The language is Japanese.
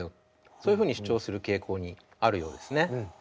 そういうふうに主張する傾向にあるようですね。